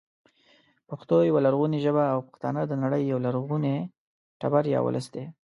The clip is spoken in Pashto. پښتو يوه لرغونې ژبه او پښتانه د نړۍ یو لرغونی تبر یا ولس دی